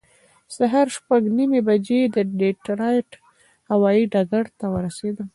سهار شپږ نیمې بجې د ډیټرایټ هوایي ډګر ته ورسېدم.